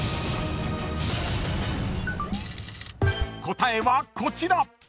［答えはこちら！］